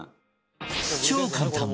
超簡単！